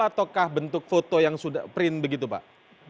ataukah bentuk foto yang sudah print begitu pak